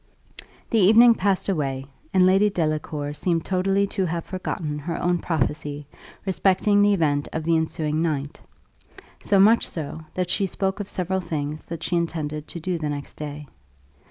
The evening passed away, and Lady Delacour seemed totally to have forgotten her own prophecy respecting the event of the ensuing night; so much so, that she spoke of several things that she intended to do the next day.